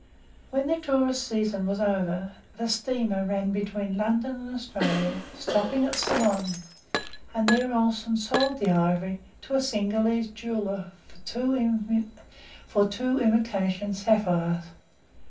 When the tourist season was over, the steamer ran between London and Australia, stopping at Ceylon, and there Olsen sold the ivory to a Cingalese jeweller for two imitation sapphires.